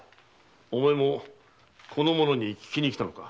お前もこの者に訊きに来たのか。